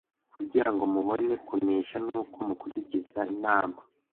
kugirango mubone kunesha nuko mukurikiza inama